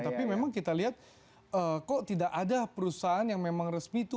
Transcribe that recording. tapi memang kita lihat kok tidak ada perusahaan yang memang resmi itu